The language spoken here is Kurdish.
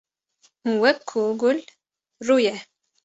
Wek ku gul, rû ye